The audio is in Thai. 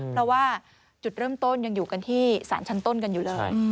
เพราะว่าจุดเริ่มต้นยังอยู่กันที่สารชั้นต้นกันอยู่เลย